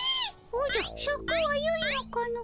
おじゃシャクはよいのかの？